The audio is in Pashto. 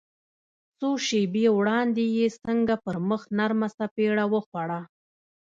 څو شېبې وړاندې يې څنګه پر مخ نرمه څپېړه وخوړه.